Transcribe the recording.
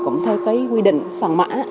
cũng theo cái quy định bằng mã